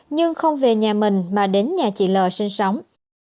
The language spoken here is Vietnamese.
nhưng không về nhà mình mà đến nhà chị l sinh sống